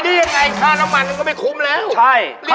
ค่าน้ำมันก็ไม่คุ้มแล้ว